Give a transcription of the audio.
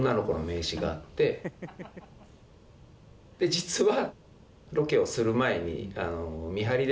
実は。